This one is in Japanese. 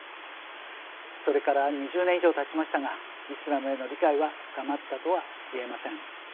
それから２０年以上たちましたがイスラムへの理解は深まったとは言えません。